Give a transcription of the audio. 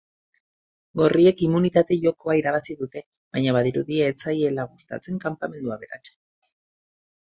Gorriek immunitate jokoa irabazi dute, baina badirudi ez zaiela gustatzen kanpamentu aberatsa.